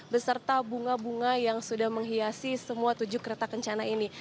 beserta bunga bunga yang sudah menghiasi semua tujuh kereta kencana ini